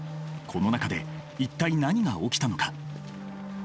この中で一体何が起きたのか？